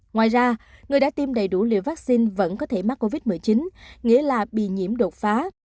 ngoài ra người đã tiêm đầy đủ liều vaccine vẫn có thể mắc covid một mươi chín nghĩa là bị nhiễm đột phá